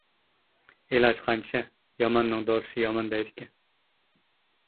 ئىلاج قانچە، ياماننىڭ دورىسى يامان دەيدىكەن.